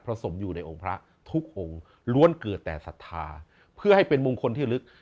สมอยู่ในองค์พระทุกองค์ล้วนเกิดแต่ศรัทธาเพื่อให้เป็นมงคลที่ลึก